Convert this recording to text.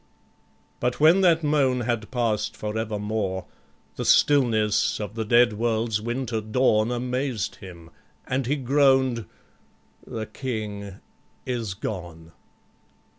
But when that moan had past for evermore, The stillness of the dead world's winter dawn Amazed him, and he groan'd, "The King is gone."